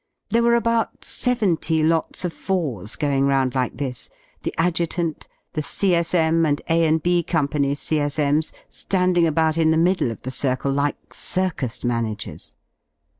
There were about seventy lots of fours going round like this, the Adjutant, the C.S.M., and A and B Companies' C.S.M.'s landing about in the middle of the circle like circus managers.